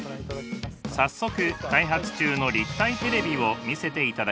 早速開発中の立体テレビを見せていただきました。